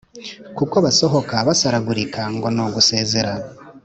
Kuko basohoka basaragurika ngo nugusezera.